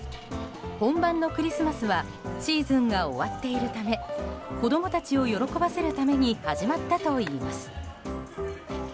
本番のクリスマスはシーズンが終わっているため子供たちを喜ばせるために始まったといいます。